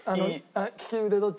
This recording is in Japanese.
利き腕どっち？